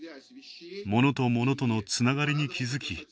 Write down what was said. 物と物とのつながりに気付き